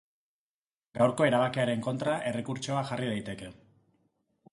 Gaurko erabakiaren kontra errekurtsoa jarri daiteke.